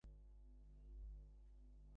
ঠিক বললাম না?